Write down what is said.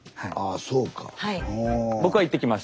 あそうか。